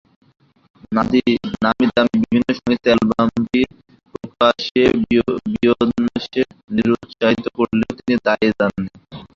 নামীদামি বিভিন্ন সংস্থা অ্যালবামটি প্রকাশে বিয়ন্সকে নিরুৎসাহিত করলেও তিনি দমে যাননি।